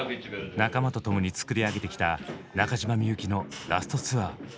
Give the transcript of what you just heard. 仲間と共に作り上げてきた中島みゆきのラスト・ツアー。